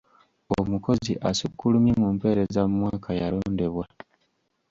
Omukozi asukulumye mu mpeereza mu mwaka yalondebwa.